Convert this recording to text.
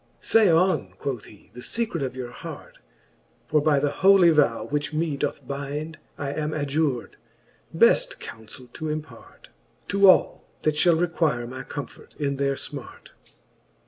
Say on, quoth he, the fecret of your hart : For by the holy vow, which me doth bind, I am adjur'd, beft counfell to impart To all, that fliall require my comfort in their fmart.